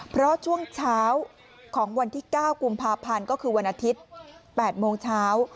เพราะช่วงเช้าของวันที่๙กุมภาพันธ์ก็คือวันอาทิตย์๘โมงเช้า